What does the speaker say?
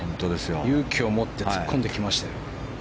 勇気を持って突っ込んできましたよ。